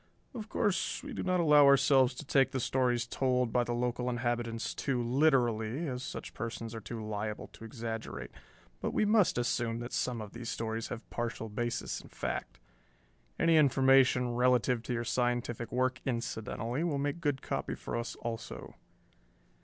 "Of course we do not allow ourselves to take the stories told by the local inhabitants too literally, as such persons are too liable to exaggerate, but we must assume that some of these stories have partial basis in fact. Any information relative to your scientific work, incidentally, will make good copy for us also."